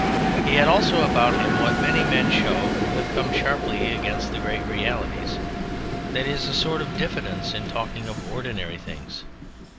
He had also about him what many men show who have come sharply against the great realities, that is, a sort of diffidence in talking of ordinary things.